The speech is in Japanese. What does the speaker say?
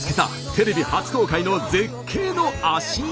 テレビ初公開の絶景の足湯。